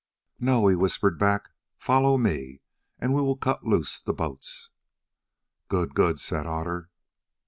"No," he whispered back. "Follow me, we will cut loose the boats." "Good, good," said Otter.